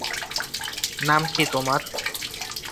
নাম কি তোমার?